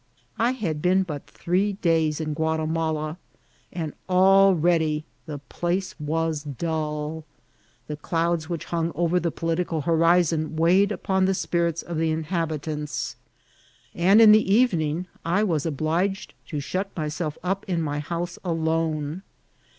I had been but three days in Guatimala, and ahready the place was dull. The clouds which hung over the political horizon weighed upon the spirits of the inhabi* tants, and in the evening I was obliged to shut myself up in my house alone.